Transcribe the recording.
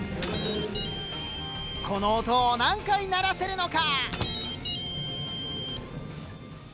この音を何回鳴らせるのか！？